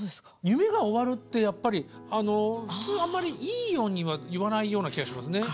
「夢が終わる」ってやっぱり普通あんまりいいようには言わないような気がしますね。